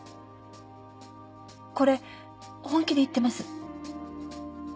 これ本気で言ってます。